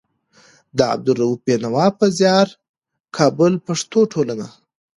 د عبدالروف بېنوا په زيار. کابل: پښتو ټولنه